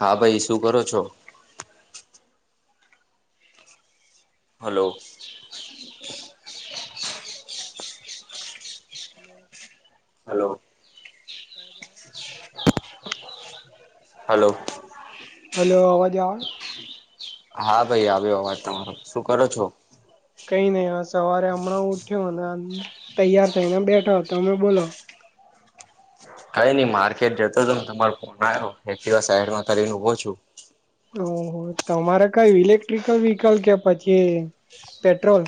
હા ભાઈ શું કરો છો? હાલો. [inaudible] હાલો. [unintelligible] હાલો. હાલો અવાજ આવે? હા ભાઈ આવ્યો અવાજ તમારો શું કરો છો? કઈ નઈ હવે સવારે હમણાં ઉઠ્યો અને તૈયાર થઈને બેઠા તમે બોલો કઈ ની માર્કેટ જતો હતો તમારો ફોન આવ્યો એકટીવા સાઈડમાં કરીને ઉભો છું. ઓહો તમારે કઈ ઇલેક્ટ્રિકલ વ્હીકલ કે પછી પેટ્રોલ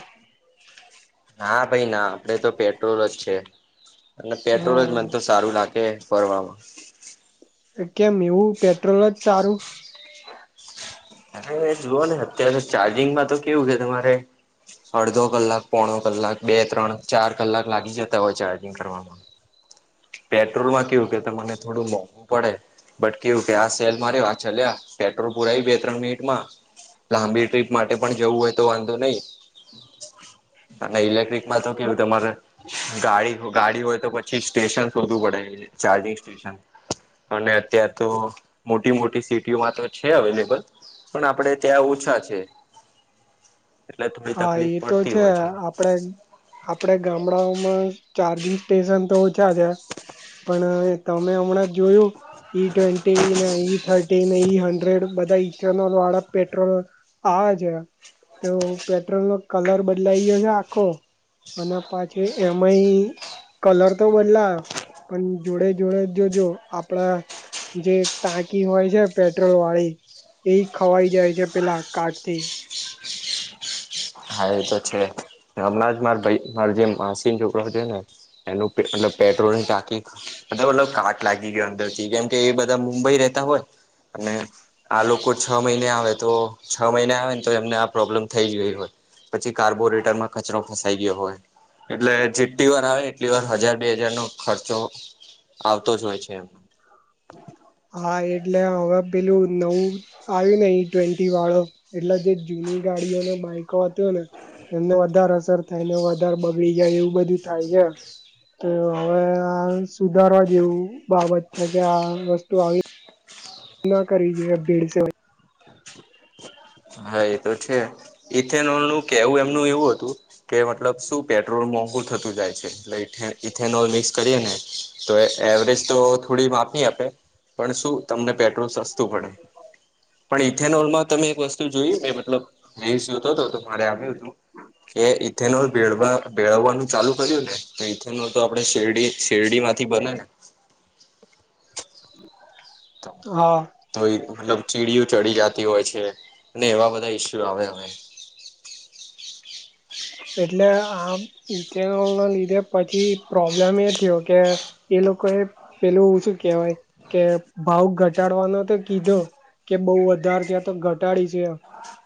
ના ભાઈ ના આપડે તો પેટ્રોલ જ છે, અને પેટ્રોલ જ મને તો હ સારું લા ગે ફવામાં કેમ એવું પેટ્રોલ જ સારું? અરે જુઓ ને અત્યારે ચાર્જિંગમાં તો કેવું કે તમારે અડધો કલાક પોણો કલાક બે ત્રણ ચાર કલાક લાગી જતા હોય ચાર્જિંગ કરવામાં [unintelligible] પેટ્રોલ માં કેવું કે મને થોડું મોંઘું પડે બટ કેવું કે આ સેલ મા રેવા આ ચેલે પેટ્રોલ પુરાય બે ત્રણ મિનિટ લાંબી ટ્રીપ માટે પણ જવું હોય તો વાંધો નહી અને ઇલેક્ટ્રિકમાં તો કેવું તમારે ગાડી ગાડી હોય તો પછી સ્ટેશન શોધું પડે ચાર્જિંગ સ્ટેશન અને અત્યાર તો મોટી મોટી સીટીઓમાં તો છે, અવેલેબલ પણ આપડે ત્યાં ઓછા છે, એટલે થોડી તકલીફ પડતી હોય છે. આપણે આપડે ગામડાઓમાં ચાર્જિંગ સ્ટેશન તો ઓછા છે. પણ તમે હમણાં જોયું ઈ ટ્વેન્ટી નેઈ થર્ટીન ઈ હંડ્રેડ બધા ઇથેનોલ વાળા પેટ્રોલ આવે છે. તો પેટ્રન નો કલર બદલાઈ ગયો છે, આખો અને પાછી એમય કલર તો બદલાયો પણ જોડે જોડે જોજો આપડા જે ટાંકી હોય છે પેટ્રોલ વાળી એ ખવાઈ જાય છે પેલા કાઠ થી હા એ તો છે હમણાં જ માર ભાઈ મારો જે માસીન છોકરો છે ને એનું મતલબ પેટ્રોલ ની ટાકી અત મતલ કાટ લાગી ગયો અંદરથી કેમ કે એ બધા મુંબઈ રતા હોય અને આ લોકો છ મહિને આવે તો છ મહિને આવે ને તો એમને આ પ્રોબ્લેમ થઈ ગયો હોત પછી કાર્બો રેટરમાં કચરો ફસાઈ ગયો હોય એટલે જેટલી વાર આવે એટલી વાર હજાર બે હજાર નો ખર્ચો આવતો જ હોય છે એમ હા એટલે હવે પેલું નવું આવ્યું ને ઈ ટ્વેન્ટી વાળો એટલે જે જૂની ગાડીઓને બાઈકો હત ને એમને વધારે અસર થાય એને વધારે બગડી જાય એવું બધું થાય છે તો હવે આ સુધારવા જેવું બાબત છે કે આ વસ્તુ આવી ના કરીએ ભેડસે હા એ તો છે ઇથેનોલ નું કેવું એમનું એવું હતું કે મતલબ શું પેટ્રોલ મોંઘુ થતું જાય છે એ ઇથેનોલ મિક્સ કરીએ ને તો એવરેજ તો થોડી માપી આપે પણ શું તમને પેટ્રોલ સસ્તું પડે પણ ઇથેનોલમાં તમે એક વસ્તુ જોય મતલતો હતો મારે આવ્યું હતું કે ઇથેનો જવાનું ચાલુ કર્યું ને તો ઇથે ન તો આપડે શેરડી શેરડી માંથી બને ને તો હા તો મતલબ ચીડીયું ચડી જતી હોય છે અને એવા બધા ઈસ્યુ આવે હવે એટલે આ ઇ ના લીધે પછી પ્રોબ્લેમ એ થયો કે એ લોકો એ પેલું એવું શું કેહેવાય કે ભાવ ઘટાડવાનો તો કીધો કે બઉ વધારે ત્યાં તો ઘટાડી છે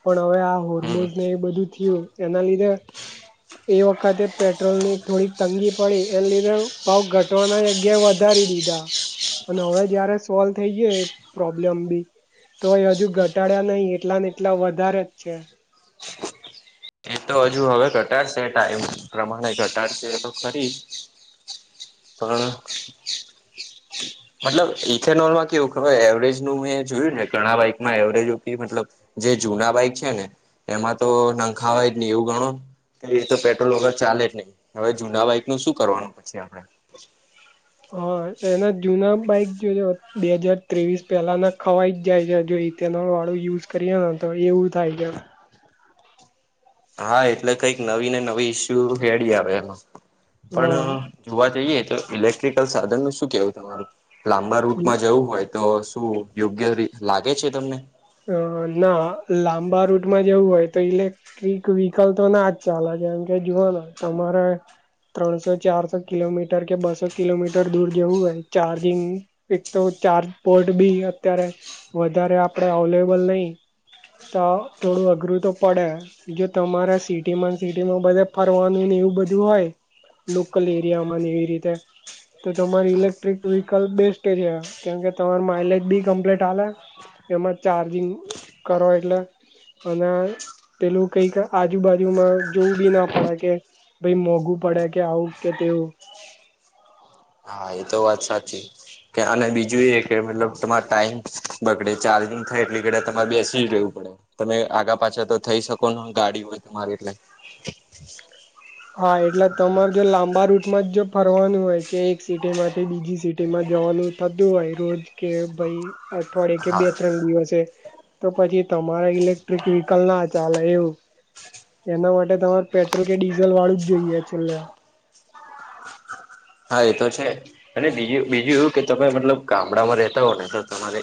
પણ હવે આ હમ હોર્મોસ ને એ બધું થયું એના લીધે એ વખતે પેટ્રોલ ની થોડીક તંગી પડી એને લીધે ભાવ ઘટવાની જગ્યાએ વધારી દીધી અને હવે જયારે સોલ્વ થઈ જાય પ્રોબ્લેમ બી તોય હજુ ઘટાડ્યા નહી એટલા ને એટલા વધારે જ છે એ તો હજુ હવે ઘટાડશે ટાઈમ પ્રમાણે ઘટાડશે તો કરીરી પણ હ [unintelligible] મતલબ ઇથેનોલમાં કેવું ખબર એવરેજ નું મે જોયું ને ઘણા બાઈકમાં એવરેજ ઉપી મતલબ જે જૂના બાઈક છે ને એમાં તો નંખા હોય જ નહી એવું ગણો ક તો પેટ્રોલ વગર ચાલે જ નહીિ હવે જુના બાઈક નું શું કરવાનું પછી આપડે હા એના જૂના બાઈક જો બે હજાર ત્રેવીસ પહેલા ના ખવાઈ જ જાય છે જો તેનો વાળું યુઝ કરીએ ને તો એવું થાય છે હા એટલે કઈક નવી ને નવી ઈસ્યુ ખેડી આવે એમાં પણ છે જોવા જઈએ તો ઇલેક્ટ્રિકલ સાધન નું શું કેવું તમારું લાંબા હ રૂટમાં જવું હોય તો શું યોગ્ય લાગે છે તમને અ ના લાંબા રૂટમાં જવું હોય તો ઇલેક રીક વ્હીકલ તો ના જ ચાલે છે એમ કે જુવાના તમારે ત્રણસો ચારસો કિલોમીટર કે બસો કિલોમીટર દૂર જેવું હોય ચાર્જિંગ એક તો ચાર્જ બોર્ડ બી અત્યારે વધારે આપડ અવેલેબલ નહી તો થોડું અઘરું તો પડે જો તમારા સિટીમાં સિટીમાં બધા ફરવાનું ને એવું બધું હોય લોકલ એરિયામાં ન એવી રીતે તો તમારી ઇલેક્ટ્રિક વ્હીકલ બેસ્ટ છે કેમ કે તમાર માઇલેજ બી કમ્પ્લીટ હાલે. એમાં ચાર્જિંગ કરો એટલે અને પેલુ કઈક આજુબાજુમાં જોવું બી ના પડે કે ભાઈ મોંઘું પડે કે આવું કે તેવું હા એ તો વાત સાચી. કે અને બીજું એ કે મતલબ તમારે ટાઈમ બગડે ચાર્જિંગ થાય એટલી ઘડી તમારે બેસી જ રહેવું પડે. તમે આગા પાછા તો થઈ શકો ને ગાડી હોય તમારી એટલે હા એટલે તમારે જો લાંબા રૂટમાં જ જો ફરવાનું હોય કે એક સિટી માંથી બીજી સિટી માં જવાનું થતો હોય રોજ કે ભાઈ અઠવાડિયે કે હા બે ત્રણ દિવસે તો પછી તમારે ઇલેક્ટ્રિક વ્હીકલ ના ચાલે એવું. એના માટે તમાર પેટ્રોલ કે ડીઝલ વાળું જ જોઈએ. છેલ્લે હા એ તો છે અને બીજું બીજું એવું કે તમે મતલબ ગામડામાં રહેતા હોવ ને તો તમારે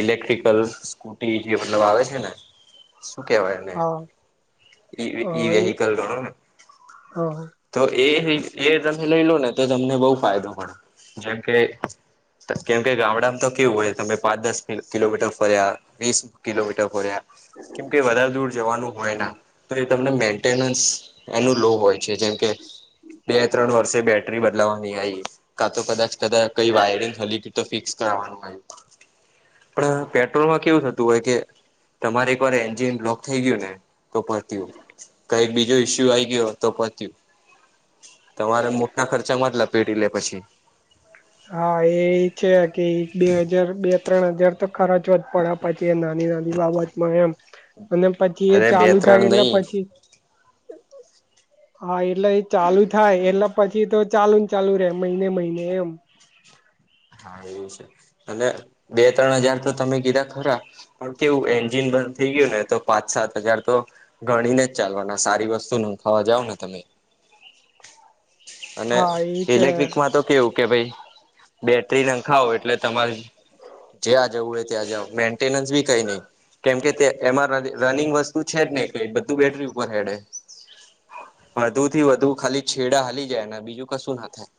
ઇલેક્ટ્રિકલ સ્કૂટી જે મતલબ આવે છે ને શું કેવાય એને હા ઈ હા એ વિહકલ ગણો ને હા તો એ એ તમે લઈ લો ને તો તમને બવ ફાયદો પડે જેમ કે કેમ કે ગામડામાં તો કેવું હોય તમે પાંચ દસ કિલોમીટર ફર્યા વીસ કિલોમીટર ફર્યા કેમકે વધારે દૂર જવાનું હોય ના તો મેન્ટેનસ એનું લો હોય છે જેમ કે બે ત્રણ વર્ષે બે બેટરી બદલાવાની આવી કા તો કદાચ કદાચ કઈ વાયરિંગ હલી ગયુ તો ફિક્સ કરવાનું આવે પણ પેટ્રોલમાં કેવું થતું હોય કે તમારે એક વાર એન્જિન બ્લોક થઈ ગયું ને તો પતીયું. કઈ બીજો ઈસ્યુ આવી ગયો તો પતયું તમારે મુ ટા ખર્ચામાં જ લપેટી લે પછી હા એ છે કે એક બે હજાર બે ત્રણ હજાર તો ખરચવા પડ પછી એ નાની નાની બાબતમાં એમ અને પછી એ અરે બે ચાલુ થાય ત્રણ એટલે નહી પછી હા એટલે એ ચાલુ થાય એટલે પછી તો ચાલુ ચાલુ રે મહિને મહિને એવું હા એ છે અને બે ત્રણ હજાર તો તમે કીધા ખરા પણ કેવું એન્જિન બંધ થઈ ગયું ને તો પાંચ સાત હજાર તો ગણીને જ ચાલવાના સારી વસ્તુ નંખાવા જાવ ને તમે [inaudible] અને હા એ છે ઇલેક્ટ્રિક માં તો કેવું કે ભાઈ બેટરી નંખાવો એટલે તમારે જ્યાં જવું હોય ત્યાં જાવ મેન્ટેનન્સ બી કઈ નહી. કેમ કે તે એમાં રનિંગ વસ્તુ છે જ નય કઈ એટલે બધું બેટરી ઉપર હેડે. વધુ થી વધુ ખાલી છેડા હલી જાય ને બીજું કશું ના થાય.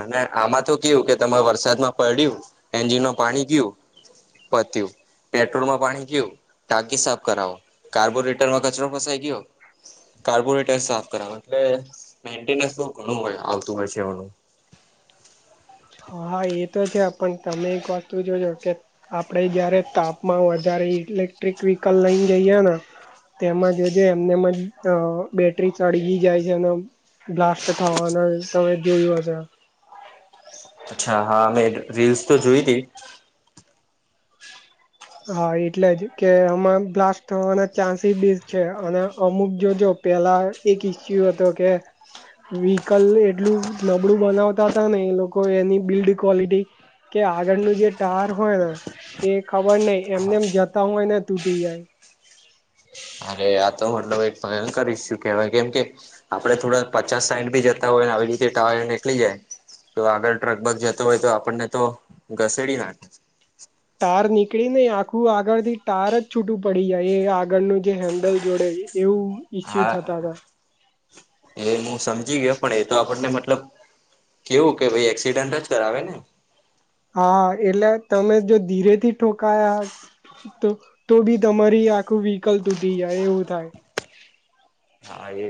અને આમાં તો કેવું કે તમે વરસાદમાં પલડયુ એન્જિન ન પાણી ગયું પત્યું. પેટ્રોલમાં પાણી ગયું ટાંકી સાફ કરાવો કાર્બોરેટરમાં કચરો ફસાઈ ગયો કાર્બોરેટફ સાફ કરવાનું એટલે મેન્ટેનન્સ ઘણું હોય આવતું હોય છે એનું હા એ તો છે પણ તમે એક વસ્તુ જોજો કે આપણેે જયારે તાપમાં વધારે ઇલેક્ટ્રિક વ્હીકલ લઈને જઈએ ને તેમાં જોજો એમ નેમ જ બેટરી સળગી જાય છે અને બ્લાસ્ટ થવાનું તમે જોયું હશે. અચ્છા હા મેં રીલ્સ તો જોય હતી. હા એટલે જ કે આમાં બ્લાસ્ટ થવાના ચાન્સીસ બી છે અને અમુક જોજો પેલા એક ઈસ્યુ હતો કે... વ્હીકલ એટલું નબળું બનાવતા હતા ને એ લોકો એની બિલ્ડ ક્વોલિટી કે આગળનું જે ટાયર હોય એ ખપર નહી એમનેમ જતા હોય ને તૂટી જાય. અરે આ તો મતલબ એક ભયંકર ઈસ્યુ કેવાય કેમ કે આપડે થોડા પચાસ સાઈઠ બી જતા હોય ને આવી રીતે ટાયર નીકળી જાય. તો આગળ ટ્રક બગ જતો હોય તો આપણને તો ઘસેડી નાખે. ટાર નીકળી ને આખું આગળ થી ટાર જ છૂટું પડી જાય એ આગળનું જે હેન્ડલ જોડે છે. એવું ઈસ્યુ હા થતા હતા. એ હું સમજી ગયો પણ એ તો આપણને મતલબ. કેવું કે ભાઈ એક્સિડેન્ટ જ કરાવે ને. હા એટલે તમે જો ધીરે થી ઠોકાયા તો તો બી તમારી આખું વ્હીકલ તૂટી જાય એવું થાય. હા એ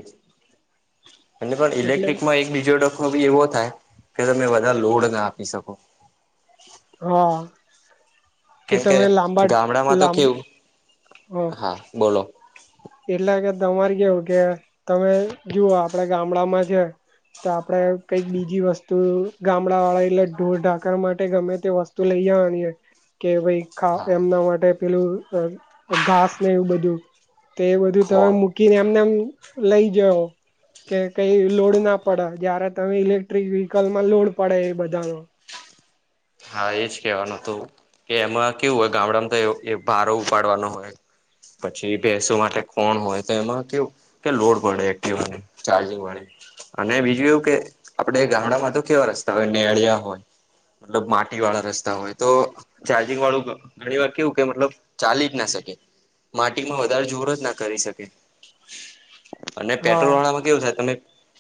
અને પણ એટલે ઇલેક્ટ્રિકમાં એક બીજો ડકો બી એવો થાય કે તમે વધારે લોડ ના આપી શકો. હા કે તમે લાંબા ગામડામાં તો લાં કેવું હ હા બોલો. એટલે કે તમારે કેવું કે તમે જુઓ આપડે ગામડામાં છે, તો આપડે કઈક બીજી વસ્તુ ગામડા વાળા એટલે ઢોર ઢાકર માટે ગમે તે વસ્તુ તો લઈ આવીએ કે ભાઈ ખા હા એમના માટે પેલું અ અ ઘાસ ને એવું બધું તે એ બધું તમે ફોન મૂકીને એમને એમ લઈ જાઓ કે કઈ લોડ ના પડે જયારે તમે ઇલેક્ટ્રિક વ્હીકલમાં લોડ પડે એ બધાનો હા એજ કેવાનું હતું કે એમાં કેવું હોય ગામડામાં તો ભારો ઉપાડવાનો હોય પછી ભેસો માટે કોણ હોય તો એમાં કેવું કે લોડ પડે એક્ટિવા ચાર્જિંગ વાળી અને બીજું એવું કે આપડે ગામડામાં તો કેવા રસ્તા હોય નેળિયા હોય મતલબ માટી વાળા રસ્તા હોય તો ચાર્જિંગ વાળું ઘણી વાર કેવું કે મતલબ ચાલી જ ના શકે માટીમાં વધારે જોર જ ના કરી શકે [inaudible] અને પેટ્રોલ વાળામાં કેવું થાય તમે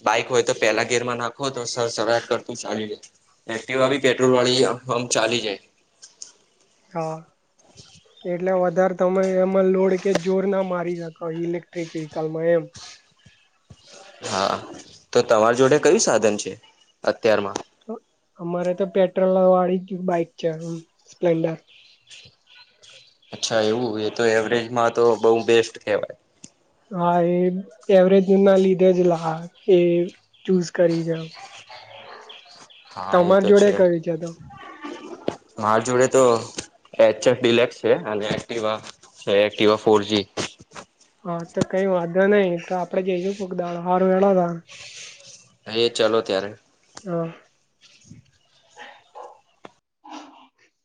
બાઈક હોય તો પેલા ગેરમાં નાખો તો સરસરાટ કરતું ચાલ્યુ જાય બી પેટ્રોલ વાળી આમ ચાલી જાય હા એટલે વધારે તમે એમાં લોડ કે જોર ના મારી શકો ઇલેક્ટ્રિક વ્હિકલમાં એમ હા તો તમાર જોડે કયું સાધન છે, અત્યારમાં અમારે તો પેટ્રોલ વાળી જ બાઈક છે, સ્પ્લેન્ડર. અચ્છા એવું એ તો એવરેજમાં તો બહુ બેસ્ટ કહેવાય. હા એ એવરેજ ના લીધે જ લા એ ચૂઝ કરી જાવ [unintelligible] એ તમાર તો જોડે કઈ છે, તો? માર જોડે તો એચએફ ડિલક્સ છે, અને એકટીવા છે એકટીવા ફોરજી હા તો કઈ વાંધો નઈ તો આપડે જઈશું કોક દાડો હાર હેડો તારે એ ચાલો ત્યારે. હમ.